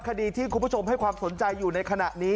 คดีที่คุณผู้ชมให้ความสนใจอยู่ในขณะนี้